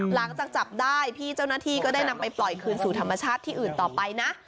หลังจากจับได้พี่เจ้าหน้าที่ก็ได้นำไปปล่อยคืนสู่ธรรมชาติที่อื่นต่อไปนะ